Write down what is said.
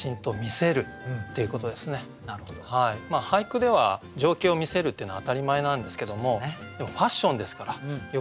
ずばり俳句では情景を見せるっていうのは当たり前なんですけどもでもファッションですから余計にこうね